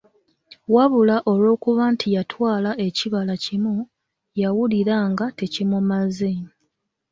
Wabula olw'okuba nti yatwala ekibala kimu, yawulira nga tekimumaze.